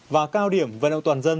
và cao điểm vận động toàn dân